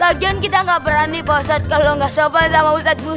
lagian kita nggak berani pak ustadz kalau nggak sobat sama ustadz musa